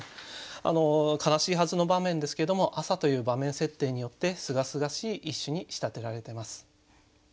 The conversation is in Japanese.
悲しいはずの場面ですけども朝という場面設定によってすがすがしい一首に仕立てられてます。